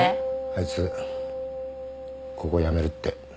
あいつここ辞めるって。